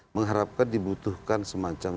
mengharapkan dibutuhkan semacam